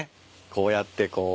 こうやってこう。